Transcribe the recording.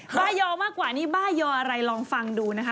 บ้ายอมากกว่านี้บ้ายออะไรลองฟังดูนะคะ